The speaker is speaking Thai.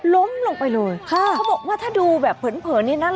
ล้มลงไปเลยค่ะเขาบอกว่าถ้าดูแบบเผินเผินนี่นะ